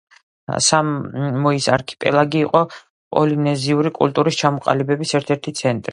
სამოის არქიპელაგი იყო პოლინეზიური კულტურის ჩამოყალიბების ერთ-ერთი ცენტრი.